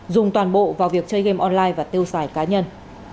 dùng toàn bộ vào việc chơi game online và tiêu xài cá nhân